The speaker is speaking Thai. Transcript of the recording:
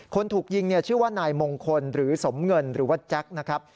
คนถูกยิงเนี่ยชื่อว่านายมงคลหรือสมเงินหรือว่าแจ็คนะครับ